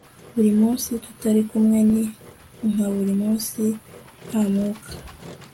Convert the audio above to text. buri munsi tutari kumwe, ni nka buri munsi nta mwuka